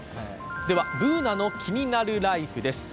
では、「ＢｏｏｎａのキニナルＬＩＦＥ」です。